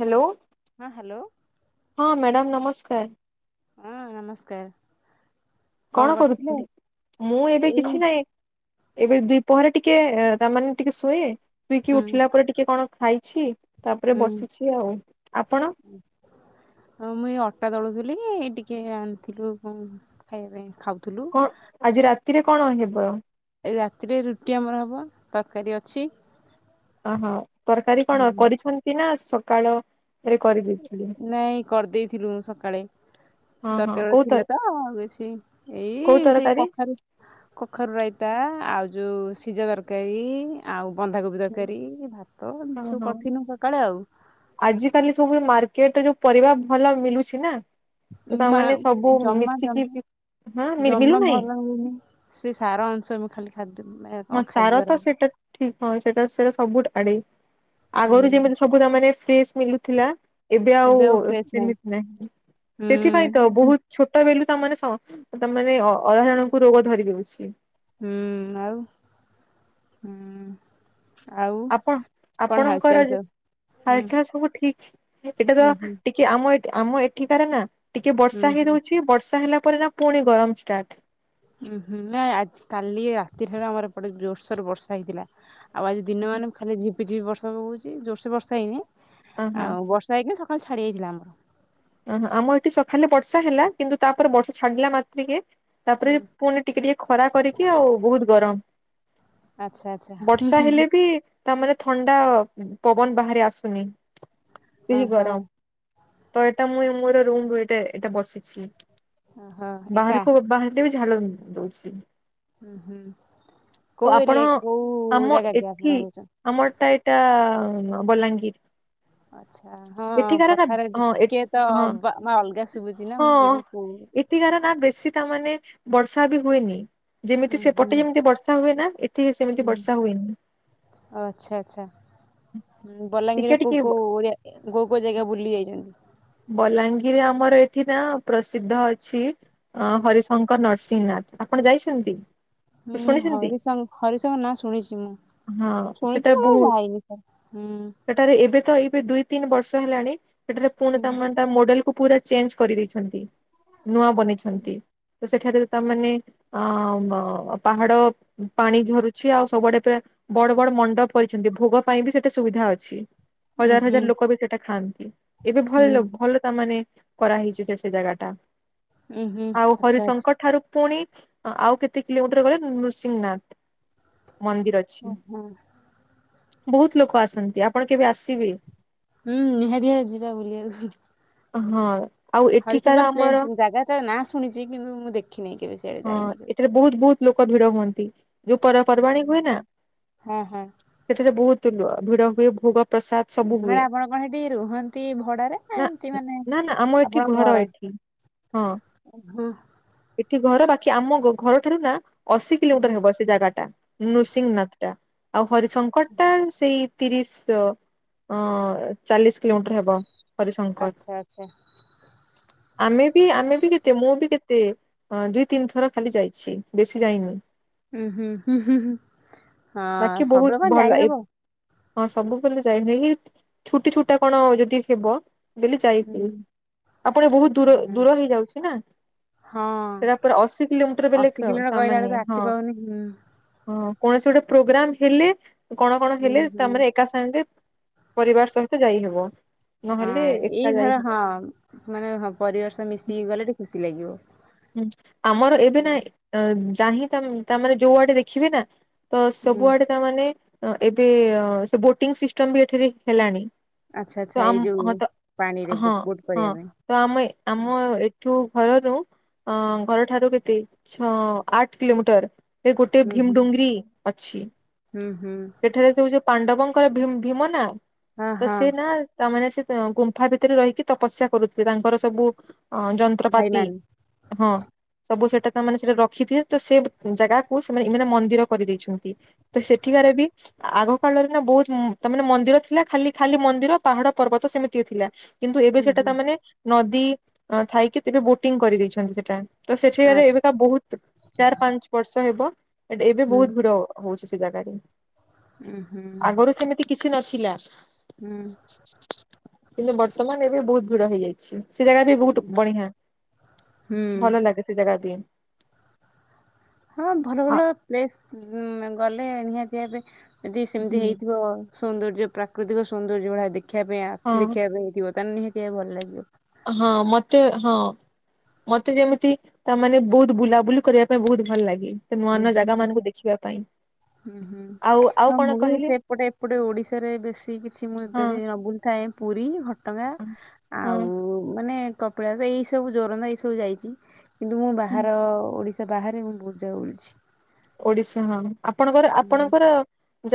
Hello. ହଁ hello. ହଁ madam ନମସ୍କାର। ହଁ ନମସ୍କାର। କଣ କରୁଥିଲେ ମୁଁ ଏବେ ଏଇ କିଛି ନାହିଁ। ଏବେ ଦିପହରେ ଟିକେ ତା ମାନେ ଟିକେ ଶୁଏ ଶୋଇକି ହୁଁ ଉଠିଲା ପରେ ଟିକେ କଣ ଖାଇଛି ତାପରେ ହୁଁ ବସିଛି ଆଉ ଆପଣ? ମୁଁ ଏଇ ଅଟା ଦଳୁଥିଲି ଟିକେ ଆଣିଥିଲୁ ଖାଇବା ପାଇଁ ଖାଉଥିଲୁ। କଣ ଆଜି ରାତିରେ କଣ ହେବ? ଏ ରାତିରେ, ରୁଟି, ଆମର ହବ, ତରକାରୀ, ଅଛି। ଓହୋ, ତରକାରୀ, କଣ ହୁଁ କରିଛନ୍ତିନା ସକାଳରେ କରିବେ? ନାଇଁ କରିଦେଇଥିଲୁ ସକାଳେ। ସେ ହଁ ହଁ ତରକାରୀ କୋଉ ତର ଥିଲା ତ ଆଉ କିଛି ଏଇ କୋଉ ସେଇ ତରକାରୀ? କଖାରୁ କଖାରୁରାଇତା, ଆଉ ଯୋଉ, ସିଝାତରକାରୀ। ଆଉ, ବନ୍ଧାକୋବି ତରକାରୀ, ଭାତ, ସବୁ କରିଥିନୁ ସକାଳେ ଆଉ ଆଜିିକାଲି ସବୁ ମାର୍କେଟରେ ଯୋଉ ପରିବା ଭଲ ମିଳୁଛି ନା। ତ ମା ତାମାନେ ସବୁ ଜମା ମିଶିକି ଜମା ବି ହଁ ଜମା ମିଳୁନାହିଁ ଭଲ ହଉନି। ସେ ସାର ଅଂଶ ମୁଁ ଖାଲି ଖା ହଁ ସାର ତ ଖାଦ୍ୟ [inaudible] ସେଇଟା ଠିକ ହଁ ସେଟା ସେଟା ସବୁ ଆଡେ ଆଗରୁ ହୁଁ ଯେମିତି ସବୁେ ଫ୍ରେସ୍ ମିଳୁଥିଲା। ଏବେ ଆଉ ସେମିତି ନାହିଁ ସେଥିପାଇଁ ତ ହୁଁ ବହୁତ ଛୋଟବେଲୁ ତାମାନେ ତା ମାନେ ଅଧା ଜଣଙ୍କୁ ରୋଗ ଧରିଦଉଛି। ହୁଁ ଆଉ ହୁଁ ଆଉ କଣ ହାଲ ଚାଲ ସବୁ? ହୁଁ ହାଲଚଲ ସବୁ ଠିକ୍ ଏଇଟା ତ ହୁଁ ହୁଁ ଟି କି ଆମ ଆମ ଏଠିକାର ନା ଟିକେ ହୁଁ ବର୍ଷା ହେଇ ହୁଁ ଦଉଛି ବର୍ଷା ହେଲା ପରେ ନା ପୁଣି ଗରମ ଷ୍ଟାର୍ଟ। ଉୁଁ ହୁଁ ନାଇଁ ଆଜି କାଲି ରାତିଠାରୁ ଆମର ପ ଜୋରସୋର ବର୍ଷା ହେଇଥିଲା। ଆଉ ଆଜି ଦିନ ମାନ ଖାଲି ଝିପି ଝିପି ବର୍ଷା ପକଉଛି ଜୋରସେ ବର୍ଷା ହେଇନି ଅହଁ ଆଉ ବର୍ଷା ଯାଇକି ସକାଳେ ଛାଡି ଯାଇଥିଲା ଆମର ଓହୋ ଆମ ଏଠି ସକାଳେ ବର୍ଷା ହେଲା କିନ୍ତୁ ତାପରେ ବର୍ଷା ଛାଡିଲା ମାତ୍ରକେ ତାପରେ ହୁଁ ପୁଣି ଟିକେ ଟିକେ ଖରା କରିକି ଆଉ ବହୁତ ଗରମ ଆଚ୍ଛା ଆଚ୍ଛା ହୁଁ ବର୍ଷା ହୁଁ ହେଲେ ବି ତାମାନେ ଥଣ୍ଡା ପବନ ବାହାରି ଆସୁନି ସେହି ଓହୋ ଗରମ। ତ ଏଟା ମୁଇଁ ମୋର ରୁମ ଏଟା ଏଟା ବସିଛି ଓହୋ ଏକା ବାହରକୁ ବାହା ସେବି ଝାଲ ଦଉଛି। ହୁଁ ହୁଁ କୋଉ ଆପଣ ଏରିଆ କୋଉ ଆମ ଜାଗା ଆଜ୍ଞା ଏଠି ଆପଣ ରହୁଛ? ଆମରଟା ଏଇଟା ବଲାଙ୍ଗୀର। ଆଚ୍ଛା ହଁ ଏଠିକାର ନା କଥାରେ ହଁ ଏ ଟିକେ ତ ହଁ ବା ଅଲଗା ଶୁଭୁଛି। ନା ମୁଁ କହିଲି କୋଉ ଏଠିକାରର ନା ବେଶୀ ତା ମାନେ ବର୍ଷା ବି ହୁଏନି। ଯେମିତି ହୁଁ ହୁଁ ସେପଟେ ଯେମିତି ବର୍ଷା ହୁଏ ନା ଟିକେ ସେମିତି ହୁଁ ବର୍ଷା ହୁଏନି। ଓ ଆଚ୍ଛା ଆଚ୍ଛା ହୁଁ ଟିକେ ବଲାଙ୍ଗୀରରେ କୋଉ ଟିକେ କୋଉ ଓଡ଼ିଆ କୋଉ କୋଉ ଜାଗା ବୁଲି ଯାଇଛନ୍ତି? ବଲାଙ୍ଗିର ଆମର ଏଠି ନା ପ୍ରସିଦ୍ଧ ଅଛି ଅଁ ହରିଶଙ୍କର ନରସିଂହନାଥ ଆପଣ ଯାଇଛନ୍ତି? ହୁଁ, ଶୁଣିଛନ୍ତି? ହରିଶଂ ହରିଶଙ୍କର ନାଁ ଶୁଣିଛି ମୁଁ। ହଁ ସେଟା ଶୁଣିଛି ମୁଁ ବହୁତ ଯାଇନି ହୁଁ ସେଠାରେ ଏବେ ତ ଏବେ ଦୁଇ ତିନି ବର୍ଷ ହେଲାଣି ସେଠାରେ ପୁଣି ହୁଁ ତାମାନେ ତା ମଡେଲକୁୁ ପୁରା ଚେଞ୍ଜ କରିଦେଇଛନ୍ତି ନୂଆ ବନେଇଛନ୍ତି। ତ ସେଠାରେ ତାମାନେ ଅ ପାହାଡ ପାଣି ଝରୁଛି। ଆଉ ସବୁଆଡେ ପୁରା ବଡ ବଡ ମଣ୍ଡପ କରିଛନ୍ତି। ଭୋଗ ପାଇଁ ବି ସେଠି ସୁବିଧା ଅଛି। ଉଁ ହଜାର ହୁଁ ହଜାର ଲୋକ ବି ସେଇଟା ଖାଆନ୍ତି। ଏବେ ଭଲ ଲୋ ହୁଁ ଭଲ ତାମାନେ କରାହେଇଛି। ସେ ସେ ଜାଗାଟା ଉଁ ହୁଁ ଆଉ ଆଚ୍ଛା ଆଚ୍ଛା। ହରିଶଙ୍କର ଠାରୁ ପୁଣି ଆଉ କେତେ କିଲୋମିଟର ଗଲେ ନୃସିଂହନାଥ ମନ୍ଦିର ଅଛି। ଓ ହୋ। ବହୁତ ଲୋକ ଆସନ୍ତି। ଆପଣ କେବେ ଆସିବେ? ହୁଁ, ନିହାତିଭାବେ ଯିବା ବୁଲିବାକୁ। ହଁ। ଆଉ ଏଠିକାର ହରିଶଙ୍କର ଆମର ପ୍ଲେସ୍ ଜାଗାଟା ନାଁ ଶୁଣିଛି। କିନ୍ତୁ, ମୁଁ ଦେଖିନହିଁ କେବେ। ସିଆଡେ ହଁ, ଯାଇନି କେବେ। ଏଠାରେ ବହୁତ ବହୁତ ଲୋକ ଭିଡ ହୁଅନ୍ତି। ଯୋଉପର୍ବାଣୀ ହୁଏ ନା ହଁ ହଁ ସେଠାରେ ବହୁତ ଲୁ ଭିଡ ହୁଏ। ଭୁଗ ପ୍ରସାଦ ସବୁ ମାନେ ହୁଏ ଆପଣ କଣ ସେଠି ରୁହନ୍ତି ଭଡାରେ ନା ଏମିତି ମାନେ ନା ନା ଆମ ଏଠି ଘର ଏଠି ହଁ। ଓ ହୁଁ। ଏଠି ଘର ବାକି ଆମ ଘର ଠାରୁ ନା ଅଶୀ କିଲୋମିଟର ହେବ। ସେ ଜାଗାଟା ନୃସିଂହନାଥ ଟା ଆଉ ହରିଶଙ୍କର ଟା ସେଇ ତିରିଶ ଓ ହଁ, ଚାଳିଶ କିଲୋମିଟର ହେବ। ହରିଶଙ୍କର ଆଚ୍ଛା ଆଚ୍ଛା। ଆମେ ବି ଆମେ ବି କେତେ ମୁଁ ବି କେତେ ହଁ, ଦୁଇ ତିନିଥର ଖାଲି ଯାଇଛି ବେଶୀ ଯାଇନି। ଉୁଁ ହୁଁ ହୁଁ ହୁଁ ହଁ ବାକି ବହୁତ ସବୁବେ କଣ ଭଲ ଯାଇ ଏ ହବ। ହଁ, ସବୁବେଲେ ଯାଇ ଏଇ ଛୁଟି ଛୁଟା କଣ ଯଦି ହେବ। ବ ହୁଁ। ଯାଇକ ଆପଣ ବହୁତ ଦୂର ହୁଁ। ଦୂର ହେଇଯାଉଛି ନା। ହଁ। ସେଟା ପୁରା ଅଶୀ କିଲୋମିଟର ଅଶୀ ବେଲେକ କିଲୋମିଟର କହିଲା ତାମାନେ ବେଳକୁ ଆଖି ହଁ। ପାଉନି। ହଁ, କୌଣସି ଗୋଟେ ପ୍ରୋଗ୍ରାମ ହେଲେ। କଣ କଣ ହୁଁ ହେଲେ ହୁଁ ତାମାନେ ଏକା ସାଙ୍ଗେ ପରିବାର ସହିତ ଯାଇହବ। ହଁ, ନହେଲେ ଏକା ଏଇ ଧର ଯାଇହବ ହଁ ମାନେ ହଁ ପରିବାର ସହ ମିଶିକି ଗଲେ ଟିକେ ଖୁସି ଲାଗିବ। ହୁଁ, ଆମର ଏବେ ନା। ଯଁ ତାମେ ଯୋଉ ଆଡେ ଦେଖିବି ନା। ତ ହୁଁ ସବୁଆଡେ ତାମାନେ ଅ ଏବେ ସେ ବୋଟିଂ ସିଷ୍ଟମ ବି ଏଠାରେ ହେଲାଣି। ଆଚ୍ଛା ତ ଆଚ୍ଛା ଆମ ଏଇ ଯୋଉ ହଁ ତ ପାଣି ରେ ହଁ ବୁଟ ବୁଟ ହଁ କରିବା ପାଇଁ। ତ ଆମ ଆମ ଏଠୁ ଘରରୁ ଅ ଘରଠାରୁ କେତେ ଛଅ ଆଠ କିଲୋମିଟର। ଏ ଗୋଟେ ହୁଁ ହୁଁ ଭୀମଡୁଙ୍ଗରି ଅଛି ହୁଁ ହୁଁ ସେ ଏଠାରେ ଯଉ ଯୋଉ ପାଣ୍ଡବଙ୍କର ଭୀ-ଭୀମ ନା ହଁ ତ ହଁ ସି ନା। ତାମାନେ ସେ ଗୁମ୍ଫା ଭିତରେ ରହିକି ତପସ୍ୟା କରୁଥିଲେ। ତାଙ୍କର ସବୁ ଅ ଯନ୍ତ୍ରପାତି ହଁ। ହ ସବୁ ସେଟା ତ ମାନେ ସେଟା ରଖିଥ ତ ସେ ଜାଗାକୁ ସେମାନେ ଏ ମାନେ ମନ୍ଦିର କରିଦେଇଛନ୍ତି। ତ ସେଠିକାରେ ବି ଆଗ କାଳରେ ନା ବହୁତୁ ତା ମାନେ ମନ୍ଦିର ଥିଲା ଖାଲି ଖାଲି ମନ୍ଦିର ପାହାଡ ପର୍ବତ ସେମିତି ଥିଲା। କିନ୍ତୁ ଏବେ ଉଁ ସେଟା ହୁଁ ତାମାନେ ନଦୀ ଅ ଥାଇକି ଏବେ ବୋଟିଂ କରିଦେଇଛନ୍ତି ସେଟା। ତ ସେଠିକାରେ ଆଚ୍ଛା ଏବେକା ବହୁତ ଚାର ପାଞ୍ଚ ବର୍ଷ ହେବ ଏ ଏବେ ହୁଁ ବହୁତ ଭିଡ। ହଉଛି ସେ ଜାଗାରେ ଉଁ ହୁଁ ଆଗରୁ ସେମିତି କିଛି ନଥିଲା। ହୁଁ। କିନ୍ତୁ ବର୍ତ୍ତମାନ ଏବେ ବହୁତ ଭିଡ ହେଇଯାଇଛି ସେ ଜାଗା ବି ବହୁତ ବଢ଼ୀଆଁ। ହୁଁ। ଭଲ ଲାଗେ ସେ ଜାଗା ବି। ହଁ ଭଲ ହଁ ଭଲ ପ୍ଲେସ୍ ଉଁ ଗଲେ ନିହାତି ଏବେ ଯଦି ସେମିତି ହେଇଥିବ। ସୌନ୍ଦର୍ଯ୍ୟ ପ୍ରାକୃତିକ ସୌନ୍ଦର୍ଯ୍ୟ ଭଳିଆ ଦେଖିବା ପାଇଁ ହଁ ଆଖି ଦେଖିଆ ପାଇଁ ଥିବ ତାହେଲେ ନିହାତି ଭଲ ଲାଗିବ। ହଁ ମତେ ହଁ। ମତେ ଯେମିତି ତା ମାନେ ବହୁତ ବୁଲାବୁଲି କରିଆ ପାଇଁ ବହୁତ ଭଲ ଲାଗେ। ତ ନୂଆ ହୁଁ ନୂଆ ହୁଁ। ଜାଗା ମାନଙ୍କୁ ଦେଖିବା ପାଇଁ। ହୁଁ ହୁଁ। ଆଉ ଆଉ ହଁ କଣ ମୁଁ ବି କହିଲେ ସେପଟେ ଏପଟେ ଓଡ଼ିଶାରେ ବେଶୀ କିଛି ମୁଁ ହଁ ତଦି ନ ବୁଲି ଥାଏ ପୁରୀ ଘଟଙ୍ଗା ହଁ ଆଉ ମାନେ କପିଳାସ ତ ଏଇ ସବୁ ଜୋରନ୍ଦା ଏଇ ସବୁ ଯାଇଚି କିନ୍ତୁ ମୁଁ ହୁଁ। ବାହାର ଓଡ଼ିଶା ବାହାରେ ମୁଁ ବୋହୁତ୍ ଜାଗା ବୁଲଚି। ଓଡିଶା ହଁ ଆପଣଙ୍କର ହୁଁ। ଆପଣଙ୍କର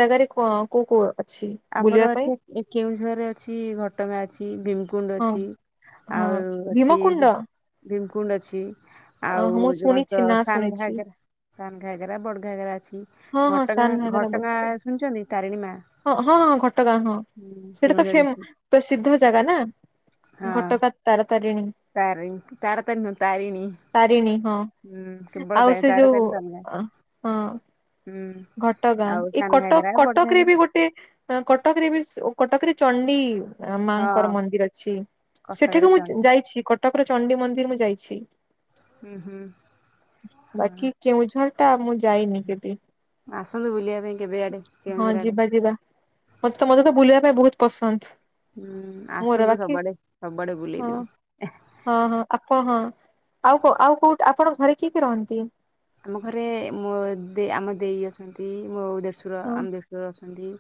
ଜାଗାରେ କୋ କୋଉ କୋଉ ଅଛି? ଆମର ବୁଲିବା ପାଇଁ ଏଠି ଏ କେଉଁଝରେ ଅଛି ଘଟଗାଁ ଅଛି ଭୀମକୁଣ୍ଡ ହଁ ଅଛି। ହଁ ଆଉ ଅଛି ଭୀମକୁୁଣ୍ଡ ଏଠି ଭିମକୁଣ୍ଡ ଅଛି। ଆଉ ଓହୋ ମୁଁ ଯୋଉ କଣ ଶୁଣିଛି ତ ନା ଶୁଣିଛି ସାନଘାଗରା ସାନଘାଗରା ବଡଘାଗରା ଅଛି। ହଁ ହଁ ଘଟଗାଁ ସାନ ଘଟଗାଁ ଶୁଣିଚନ୍ତି ତାରିଣୀ ମା? ଅ ହଁ ହଁ ଘଟଗାଁ ହଁ ହୁଁ ସେଇଟା ତ କେଉଁଝର ଫେମ ଡିଷ୍ଟ୍ରିକ୍ଟ ପସିଦ୍ଧ ଜାଗା ନା। ଘଟଗାଁ ତାରା ତାରିଣୀ। ତାରି ତାର ତାରିଣି ନୁହଁ ତାରଣୀ। ତାରିଣୀ ହଁ ଆଉ ସେଇ ତାର ଯୋଉ ତାରିଣୀ ତମ ଗାଁ ହଁ। ହୁଁ। ଘଟଗାଁ ଆଉ ଏ ସାନ ଘାଗରା କଟକ ବଡ କଟକରେ ଘାଗରା ବି ଗୋ ସେ ଅ କଟକରେ ବି ସ୍ ଓ କଟକରେ ଚଣ୍ଡି। ଆଁ ମାଆଙ୍କର ହଁ ମନ୍ଦିର ଅଛି କଟକରେ ସେଠିକୁ ମୁଁ ଚଣ୍ଡୀ ଯାଇଛି କଟକର ଚଣ୍ଡୀ ମନ୍ଦିର ମୁଁ ଯାଇଛି। ହୁଁ ହୁଁ ହଁ। କେଉଁଝରଟା ମୁଁ ଯାଇନି କେବେ। ଆସନ୍ତୁ ବୁଲିଆ ପାଇଁ। କେବେ ଆଡେ ହଁ କେଉଁଝର ଆଡେ ଯିବା ଯିବା ମତେ ତ ମତେ ତ ବୁଲିବା ପାଇଁ ବୋହୁତ ପସନ୍ଦ। ହୁଁ ମୋର ଆସନ୍ତୁ ବାକି ସବୁଆଡେ ସବୁଆଡେ ବୁଲେଇ ହଁ ଦେମି ଏ। ହଁ ହଁ ଆପ ହଁ ଆଉ କୋ ଆଉ କୋଉଟା ଆପଣଙ୍କ ଘରେ କିଏ କିଏ ରହନ୍ତି? ଆମ ଘରେ ମୋ ଦେ ଆମ ଦେଇ ଅଛନ୍ତି ମୋ ଦେଡଶୁର ହଁ ଆମ ଦେ ଡଶୁର ଅଛନ୍ତି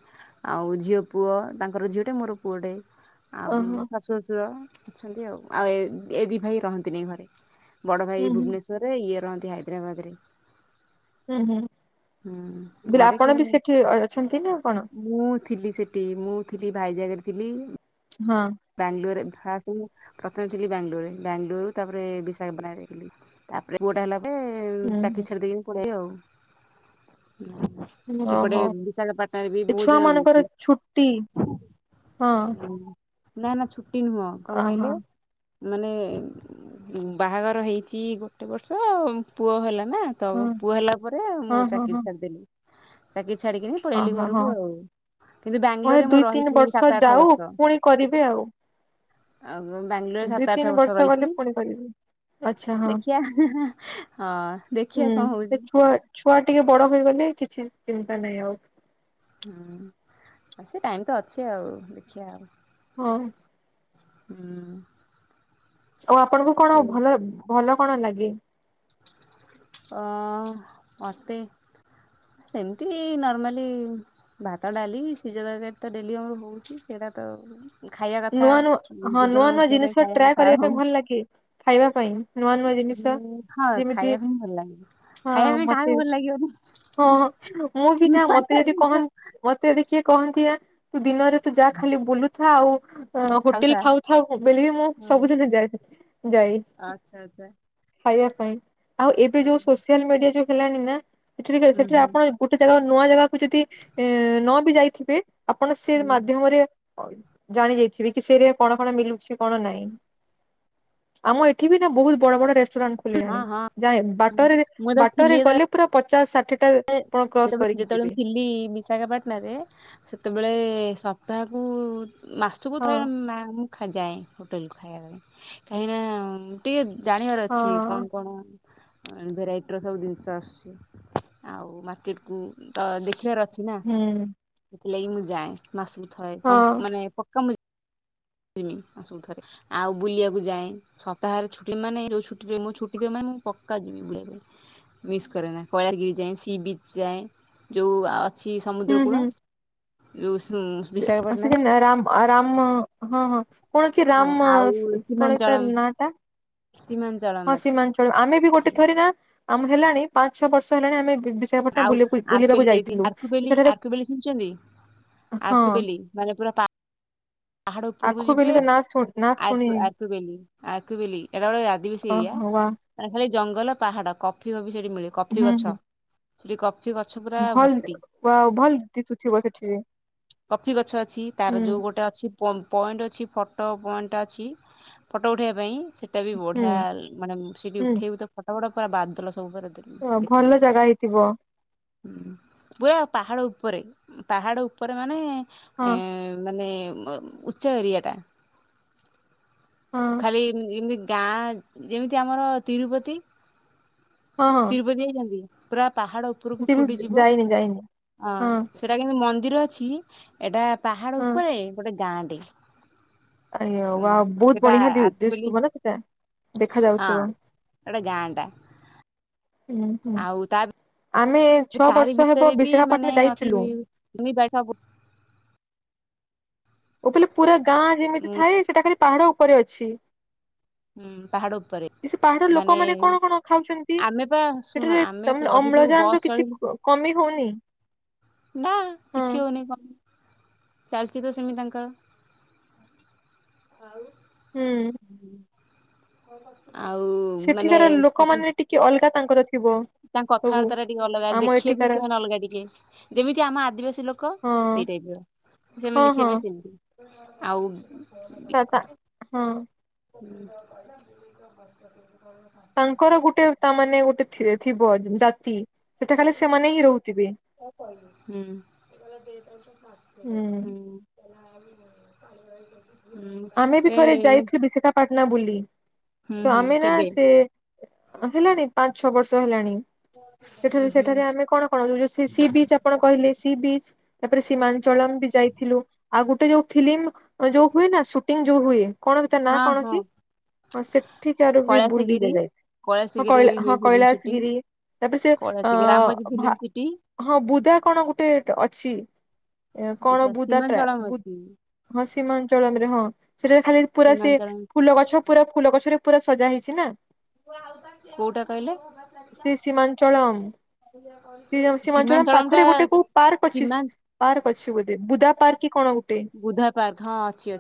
ଆଉ ଝିଅ ପୁଅ ତାଙ୍କର ଝିଅଟେ ମୋର ପୁଅଟେ ଆଉ ଓହୋ ଉମ୍ ଶାଶୁ ଶସୁ ର ଅଛନ୍ତି ଆଉ ଆଉ ଏ ଏ ଦିଇ ଭାଇ ରହନ୍ତି ନେଇ ଘରେ ବଡ଼ ହୁଁ ଭାଇ ହୁଁ ଭୁବନେଶ୍ୱ ରରେ ଇଏ ରହନ୍ତି ହାଇଦ୍ରାବାଦରେ। ହୁଁ ହୁଁ। ହୁଁ ବୋଇଲେ ଘରେ ଆପଣ ବି କେହି ସେଠି ଅଛନ୍ତି ନା କଣ? ମୁଁ ଥିଲି ସେଠି ମୁଁ ଥିଲି ଭାଇଜାଗରେ ଥିଲି ହଁ। ବାଙ୍ଗାଲୋରରେ ଫାଷ୍ଟ ମୁଁ ପ୍ରଥମେ ଥିଲି ବାଙ୍ଗଲୋରରେ ବାଙ୍ଗାଲୋରରୁ ତାପରେ ବିଶାଖାପାଟଣା ଯାଇଥିଲି। ତାପରେ ପୁଅଟା ହେଲା ପରେ ଉଁ ହୁଁ ଚାକିରି ଛାଡି ଦେଇକି ମୁଁ ପଳିଆଇଲି ଆଉ। ଉଁ ହୁଁ ସେପଟେ ଓହୋ ବିଶାଖାପାଟଣାରେ ବି ଏ ବୋହୁତ ଛୁଆ ଜାଗା ମାନଙ୍କର ଛୁଟି ବୁଲଚି। ହଁ ହୁଁ ନା ନା ଛୁଟି ନୁହଁ କଣ ଓହୋ କହିଲେ? ମାନେ ବାହାଘର ହେଇଚି ଗୋଟେ ବର୍ଷ ପୁଅ ହେଲା ନା ତ ହଁ ପୁଅ ହେଲା ପରେ ମୁଁ ହଁ ହଁ ଚାକିରି ହଁ ଛାଡ଼ିଦେଲି ଚାକିରି ଛାଡ଼ିକିନା ପଳେଆଇଲି ଓହୋ ଘରକୁ ହଁ ଆଉ। କିନ୍ତୁ ହଁ ଏ ବାଙ୍ଗାଲୋରରେ ମୁଁ ଦୁଇ ତିନି ରହିଚି ବର୍ଷ ସାତ ଆଠ ଯାଉ ବର୍ଷ। ପୁଣି କରିବେ ଆଉ ଆଉ ବାଙ୍ଗାଲୋରରେ ଦୁଇ ସାତ ତିନି ଆଠ ବର୍ଷ ଗଲେ ରହିଚି। ପୁଣି କରିବେ ଆଚ୍ଛା ହଁ ଦେଖିଆ ହଁ ଦେଖିଆ ହୁଁ କଣ ସେ ହୋଉଚି। ଛୁଆ ଛୁଆ ଟିକେ ବଡ଼ ହୋଇଗଲେ କିଛି ଚିନ୍ତା ନାହିଁ ଆଉ। ହୁଁ ଆ ସେ ଟାଇମ ତ ଅଛି ଆଉ ଦେଖିଆ ଆଉ। ହଁ। ହୁଁ। ଆଉ ଆପଣଙ୍କୁ କଣ ସେ ଭଲ ଭଲ କଣ ଲାଗେ? ଅ ମତେ ସେମତି ଏଇ ନର୍ମାଲି ଭାତ ଡାଲି ସିଝା ତରକାରି ତ ଡେଲି ଆମର ହୋଉଚି ସେଡା ତ ଖାଇବା କଥା ନୂଆ ନୂଆ ହଁ ଜୀବନ ନୂଆ ନୂଆ ବଞ୍ଚିବା ପାଇଁ ଜିନିଷ ଖାଇବା ଟ୍ରାଏ କଥା କରିବା ଆଉ ପାଇଁ ଭଲ ଲାଗେ ଖାଇବା ପାଇଁ? ନୂଆ ନୂଆ ଜିନିଷ? ହଁ ଯେମିତି ଖାଇବା ପାଇଁ ଭଲ ଲାଗେ। ହଁ ଖାଇବା ପାଇଁ ମତେ କାହାକୁ ଭଲ ଲାଗିବନି ହଁ ମୁଁ ବି ନା ନୂଆ ମତେ ନୂଆ ଯଦି କହ ଜିନିଷ। ମତେ ଦେଖିକି କହନ୍ତି ଆ ତୁ ଦିନରେ ତୁ ଯାହା ଖାଲି ବୁଲୁଥା ଆଉ। ହୋଟେଲ୍ ଖାଉଥା ଖାଉ ଥାଉ ବୋଲିକି ମୁଁ ହଁ। ସବୁଦିନ ଯାଏ ଯାଇ। ଆଚ୍ଛା ଆଚ୍ଛା। ଖାଇବା ପାଇଁ ଆଉ ଏବେ ଯୋଉ ହୁଁ ସୋସିଆଲ ମିଡ଼ିଆ ଯୋଉ ହେଲାଣି ନା ସେଠାରେ ସେଠାରେ ହୁଁ ଆପଣ ଗୋଟେ ଜାଗା ନୂଆ ଜାଗାକୁ ଯଦି ଏ ନ ବି ଯାଇଥିବେ ଆପଣ ସେ ହୁଁ ମାଧ୍ୟମରେ ଜାଣି ଯାଇଥିବେ କି ସେରେ କଣ କଣ ମିଲୁଛି କଣ ନାହିଁ। ଆମ ଏଠି ବି ନା ବହୁତ୍ ବଡ଼ ବଡ଼ ରେଷ୍ଟୁରାଣ୍ଟ୍ ହଁ ଖୋଲିଲାଣି ହଁ ଯାଏ ବାଟରେ ବାଟରେ ଗଲେ ପୁରା ପଚାଶ ଷାଠିଏ ଟା ଆପଣ କ୍ରସ ଯେତେ [unintelligible] କରିକି ଯେତେବେଳେ ଯିବେ ମୁଁ ଥିଲି ବିଶାଖାପାଟଣାରେ ସେତେବେଳେ ସପ୍ତାହକୁ ମାସକୁ ହଁ। ଥରେ ମା ଖା ଯାଏ ହୋଟେଲ୍ କୁ ଖାଇବା ପାଇଁ କାହିଁକି ନା ଟିକେ ଜାଣିବାର ହଁ। ଅଛି କଣ କଣ ଭେରାଇଟିର ସବୁ ଜିନିଷ ଆସୁଛି ଆଉ ମାର୍କେଟ କୁ ତ ଦେଖିବାର ଅଛି ନା ହୁଁ। ସେଥିଲାଗି ମୁଁ ଯାଏ ମାସକୁ ଥରେ ହଁ କମ୍ପ ମାନେ ପ [unintelligible] ଯିମି ମାସ କୁ ଥରେ ଆଉ ବୁଲିବାକୁ ଯାଏଁ। ସପ୍ତାହରେ ଛୁଟି ମାନେ ଯୋଉ ଛୁଟିରେ ମୁଁ ଛୁଟି ଥିବ ମାନେ ମୁଁ ପକା ଯିମି ବୁଲି। ମିସ୍ କରେ ନା କଳାଗିରି ଯାଏଁ ସି ବିଚ୍ ଯାଏଁ ଯୋଉ ଆ ଛି ହୁଁ ସମୁଦ୍ରକୂଳ ହୁଁ ଯୋଉ ସେ [unintelligible] ବିଶାଖାପାଟଣାରେ ହଁ ହଁ। କଣ କି ହଁ ରାମ୍ ଆଉ କଣ କି ସୀମାଞ୍ଚଳମ୍ ତାର ନାଁ ଟା? [unintelligible] ହଁ ସୀମାଞ୍ଚଳ ଆମେ ବି ଅଛି। ଗୋଟେ ଥରେ ନା ଆମ ହେଲାଣି ପାଞ୍ଚ ଛଅ ବର୍ଷ ହେଲାଣି ଆମେ ବି ଆଉ [unintelligible] ବେଲି ଯାଇଥିଲି ଆକୁ ବେଲି ସେଠାରେ ଆର୍କୁ ବେଲି ଶୁଣିଛନ୍ତି ହଁ ଆର୍କୁ ବେଲି? ମାନେ ପୁରା ପା ପାହାଡ଼ ଉପରକୁ ଆଖୁ ଯିବେ। [unintelligible] ଆର୍କୁ ଆର୍କୁ ବେଲି ଆର୍କୁ ବେଲି ଏଟା ଗୋଟେ ଆଦିବାସୀ ଏରିଆ। ଓହୋ ବା ମାନେ ଖାଲି ଜଙ୍ଗଲ ପାହାଡ଼ କଫି ଫପି ସେଇଠି ମିଳେ କଫି ହୁଁ ହୁଁ ଗଛ ସେଠି କଫି ଗଛ ପୁରା ଭର୍ତ୍ତି। ଭଲ ଭଲ ଦିଶୁଥିବ ସେଠି। କଫି ଗଛ ଅଛି ତାର ଯୋଉ ଗୋଟେ ଅଛି ପ ପଏଣ୍ଟ ଅଛି ଫଟୋ ପଏଣ୍ଟ ଅଛି ଫଟୋ ଉଠେଇବା ପାଇଁ ସେ ସେଟା ବି ହୁଁ ବଢ଼ିଆ ମାନେ ସେଇଠି ହୁଁ ଉଠେଇ ବୁ ତୋ ଫୋଟୋ ଫୋଟୋ ପୁରା ବାଦଲ ସବୁ ପୁରା ଦେ ତ ଭଲ ଜାଗା ହେଇଥିବ। ହଁ ପୁରା ପାହାଡ଼ ଉପରେ ପାହାଡ଼ ଉ ଉପରେ ମାନେ ଏ ହଁ ମାନେ ମ ଉଚ୍ଚ ଏରିଆ ଟା। ହଁ ଖାଲି ଏମିତି ଗାଁ ଯେମିତି ଆମର ତିରୁପତି। ହଁ ହଁ ତିରୁପତି ଯାଇଛନ୍ତି ପୁରା ପାହାଡ଼ ଉପରକୁ ଉଠି ଉଠି ଯିବ ଯାଇନି ଯାଇନି ଅ ହଁ ସେ ଏଟା କିନ୍ତୁ ମନ୍ଦିର ଅଛି ଏଇଟା ପାହାଡ଼ ହଁ। ଉପରେ ଗୋଟେ ଗାଁ ଟେ। ମାନେ ଉଁ ଆ ବହୁତ୍ ସେଟା ବଢ଼ିଆ ଆରସି ବୋଲି [unintelligible] ସେଟା ଦେଖା ଯାଉଥିବ। ଏଟା ଗାଁ ଟା। ହୁଁ ହୁଁ ଆଉ ତା ଆମେ ଛଅ ତାରି ବର୍ଷ ଭିତରେ ହେବ ବି ମାନେ ବିଶାଖାପାଟଣା ଅଛି ଯାଇଥିଲୁ। [unintelligible] ସବୁ। ଓ ମୁଁ କହିଲି ପୁରା ଗାଁ ଯେମିତି ଉଁ ଥାଏ ସେଟା ଖାଲି ପାହାଡ଼ ଉପରେ ଅଛି। ହୁଁ ପାହାଡ଼ ଉପରେ। ସେ ପାହାଡ଼ ମାନେ ଲୋକମାନେ କଣ କଣ ଖାଉଛନ୍ତି ଆମେ ପା ଶୁଣ ସେଠାରେ ଆମେ ତ ଚଢିଲୁ ଅମ୍ଳଜାନ ର ବସ୍ କିଛି ଚଢିଲୁ କମି ହଉନି। ନାଁ ହଁ କିଛି ହଉନି କ ଚାଲିଛି ତ ସେମିତି ତାଙ୍କର। ହୁଁ। ଆଉ ମାନେ ସେଠି କି ଅଲଗା ତାଙ୍କର ଥିବ। ତାଙ୍କ ସବୁ କଥାବାର୍ତ୍ତା ଟା ଟିକେ ଅଲଗା, ଆମ ଦେଖିବାକୁ ବି ଏଠିକାର ସେମାନେ ଅଲଗା ଟିକେ। ଯେମିତି ଆମ ଆଦିବାସୀ ଲୋକ ହଁ ସେଇଟାଇପ୍ ର, ହଁ ସେମାନେ ହଁ ଦେଖିବା ପାଇଁ ସେମିତି। ଆଉ, ବି ତା ତା ହଁ [inaudible] ହୁଁ। ତାଙ୍କର ଗୁଟେ ତା, ମାନେ ଗୋଟେ ଥି-ଥିବ ଜାତି। ସେଟା ଖାଲି ସେମାନେ ହିଁ ରହୁଥିବେ ହୁଁ। ହୁଁ। ହୁଁ। ହୁଁ ଆମେ ବି ସେ ଥରେ ଯାଇଥିଲୁ ବିଶାଖାପାଟଣା ବୁଲି। ହୁଁ ତ ହୁଁ ଆମେ ନା କେବେ ସେ ହେଲାଣି ପାଞ୍ଚ ଛଅ ବର୍ଷ ହେଲାଣି। ହୁଁ ସେଠାରେ ହୁଁ ସେଠାରେ ଆମେ କଣ କଣ, ଯଉ ଯଉ ସି ବିଚ୍ ଆପଣ କହିଲେ, ସି ବିଚ୍ ତା'ପରେ ସୀମାଞ୍ଚଳମ ବି ଯାଇଥିଲୁ। ଆଉ ଗୁଟେ ଯୋଉ, ଫିଲ୍ମ ଯୋଉ ହୁଏ ନା ସୁଟିଂ ଯୋଉ ହୁଏ। କଣ କି, ତା ନା ହଁ କଣ ହଁ କି? ହଁ, ସେଠିକାରୁ ବି ବୁଲିକା କୈଳାସଗିରି ଯାଇଥି କୈଳାସଗିରିରେ ହଁ, ବି ହୁଏ ହଁ, ଫିଲ୍ମ ସୁଟିଂ କୈଳାସଗିରି ତା'ପରେ ସେ ଅଁ କୈଳାସଗିରି ରାମୋଜୀ ଫିଲ୍ମ ଭା, ସିଟି ହଁ, ବୁଦା କଣ ଗୁଟେ ଅଛି? କଣ ବୁଦାଟ୍ରା, ସୀମାଞ୍ଚଳମ୍ ଅଛି ହଁ ସୀମାଞ୍ଚଳରେ ହଁ। ସେଟାରେ ଖାଲି ପୁରା ସେ, ସୀମାଞ୍ଚଳମ୍ ଫୁଲ ଗଛ ପୁରା ଫୁଲ ଗଛରେ ପୁରା ସଜା ହେଇଛି ନା। କୋଉଟା କହିଲ? ସେ ସୀମାଞ୍ଚଳଂ, ସେ ସୀମାଚଳଂ ସୀମାଞ୍ଚଳମ୍ ଟା ପାଖରେ ଗୋଟେ କୋଉ ପାର୍କ ଅଛି ସୀମା ସେ ପାର୍କ ଅଛି, ବୋଧେ! ବୁଦା ପାର୍କ କି କଣ ଗୁଟେ? ବୁଧା ପାର୍କ ହଁ, ଅଛି ଅଛି।